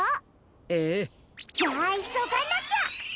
ええ。じゃあいそがなきゃ！